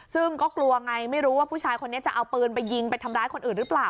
ซึ่งก็กลัวไงไม่รู้ว่าผู้ชายคนนี้จะเอาปืนไปยิงไปทำร้ายคนอื่นหรือเปล่า